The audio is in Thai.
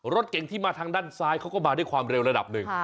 รถเก่งที่มาทางด้านซ้ายเขาก็มาด้วยความเร็วระดับหนึ่ง